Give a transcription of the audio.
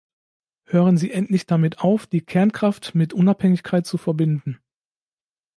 Hören Sie endlich damit auf, die Kernkraft mit Unabhängigkeit zu verbinden!